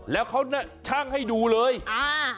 แล้วเขาน่ะช่างให้ดูเลยอ่า